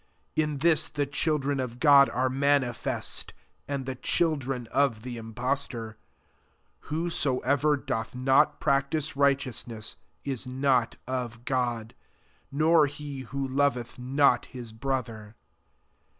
10 In this the childrea of God are manifest, and the children of the impostor: who soever doth not practice rigln teousneas, is not of God; nor he who loveth not his brother.